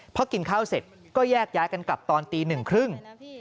พอกินข้าวเสร็จก็แยกย้ายกันกลับตอนตีหนึ่งครึ่ง